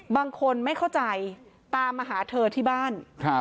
บางคนไม่เข้าใจตามมาหาเธอที่บ้าน